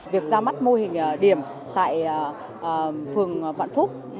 việc ra mắt mô hình điểm tại phường vạn phúc